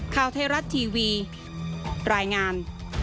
ข่าวไทยรัฐทีวีรายงาน